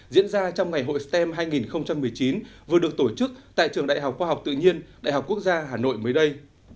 diễn ra trong ngày hội stem hai nghìn một mươi chín vừa được tổ chức tại trường đại học khoa học tự nhiên đại học quốc gia hà nội mới đây